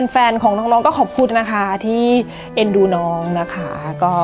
แฟนของน้องก็ขอบคุณนะคะที่เอ็นดูน้องนะคะ